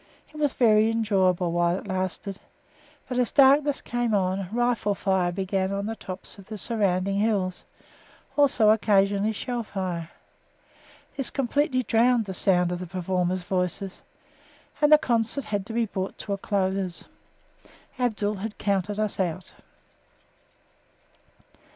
It was very enjoyable while it lasted; but, as darkness came on, rifle fire began on the tops of the surrounding hills also, occasionally, shell fire. This completely drowned the sound of the performers' voices, and the concert had to be brought to a close; Abdul had counted us out.